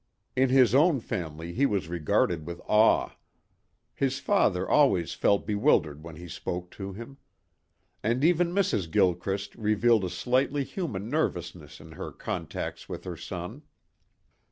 In his own family he was regarded with awe. His father always felt bewildered when he spoke to him. And even Mrs. Gilchrist revealed a slightly human nervousness in her contacts with her son.